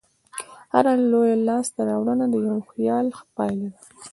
هره لویه لاستهراوړنه د یوه خیال پایله ده.